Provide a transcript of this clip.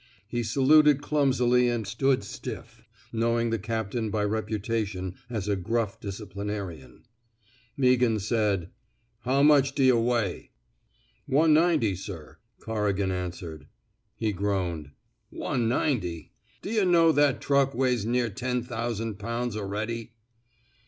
He saluted clumsily and stood stiff, knowing the captain by reputation as a gruff disciplinarian. Meaghan said: How much d*yuh weigh? 150 COEEIGAN'S PEOMOTION One ninety, sir, Corrigan answered. He groaned. One ninety? D'yuh know that truck weighs near ten thousand pounds already?